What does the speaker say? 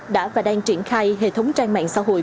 đã và đang triển khai hệ thống trang mạng xã hội